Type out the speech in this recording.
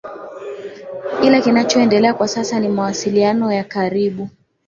ila kinachoendelea kwa sasa ni mawasiliano ya karibu